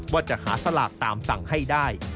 ว่าจะหาสลากตามสั่งให้ได้